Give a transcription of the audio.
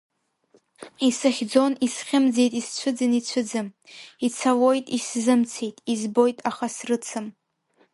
Исыхьӡон исхьымӡеит исцәыӡын ицәыӡым, ицалоит изымцеит, избоит, аха срыцым.